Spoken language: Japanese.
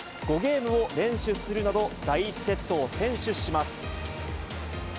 ５ゲームを連取するなど、第１セットを先取します。